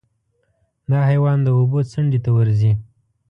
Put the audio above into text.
دا حیوان د اوبو څنډې ته ورځي.